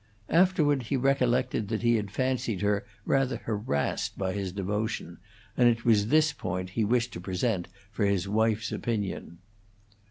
Afterward he recollected that he had fancied her rather harassed by his devotion, and it was this point that he wished to present for his wife's opinion.